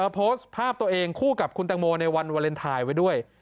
โพสต์ภาพตัวเองคู่กับคุณตังโมในวันวาเลนไทยไว้ด้วย